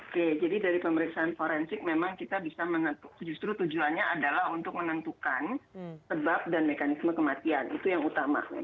oke jadi dari pemeriksaan forensik memang kita bisa justru tujuannya adalah untuk menentukan sebab dan mekanisme kematian itu yang utama